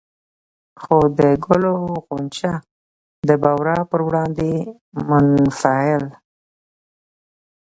خو د ګلو غونچه د بورا پر وړاندې منفعل